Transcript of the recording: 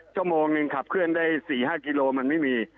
ชั่วโมงหนึ่งขับเคลื่อนได้๔๕กิโลมันไม่มี